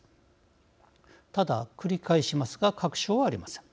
ただ繰り返しますが確証はありません。